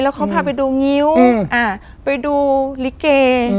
เขาพาไปดูงิ้วไปดูลิเก